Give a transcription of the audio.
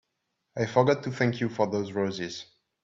I forgot to thank you for those roses.